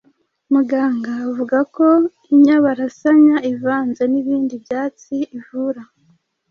muganga avuga ko inyabarasanya ivanze n’ibindi byatsi ivura